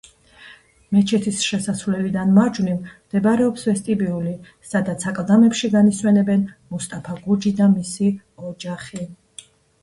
მეჩეთის შესასვლელიდან მარჯვნივ მდებარეობს ვესტიბიული სადაც აკლდამებში განისვენებენ მუსტაფა გურჯი და მისი ოჯახი.